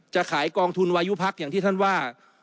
จะขายกองทุนวายุพักอย่างที่ท่านว่า